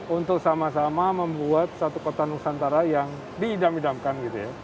untuk sama sama membuat satu kota nusantara yang diidam idamkan gitu ya